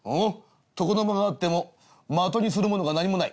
床の間があっても的にするものが何もない。